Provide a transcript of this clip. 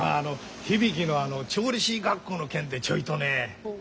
響の調理師学校の件でちょいとねえ。